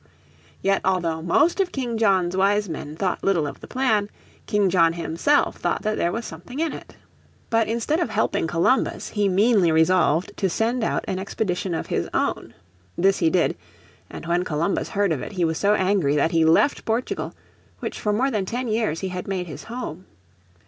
Yet although most of King John's wise men thought little of the plan, King John himself thought that there was something in it. But instead of helping Columbus he meanly resolved to send out an expedition of his own. This he did, and when Columbus heard of it he was so angry that he left Portugal, which for more than ten years he had made his home.